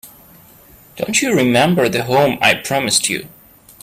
Don't you remember the home I promised you?